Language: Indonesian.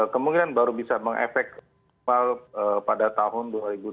kemungkinan baru bisa mengefek pada tahun dua ribu dua puluh